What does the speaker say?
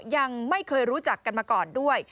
ยังไม่เคยรู้จักกันมาก่อนด้วย